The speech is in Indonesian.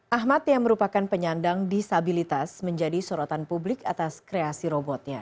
ahmad yang merupakan penyandang disabilitas menjadi sorotan publik atas kreasi robotnya